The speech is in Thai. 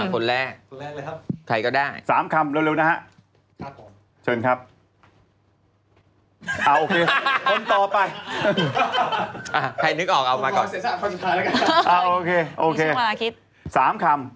คนแรกใครก็ได้๓คำเร็วนะ